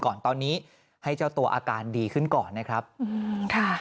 ก่อนตอนนี้ให้เจ้าตัวอาการดีขึ้นก่อนนะครับอืมค่ะ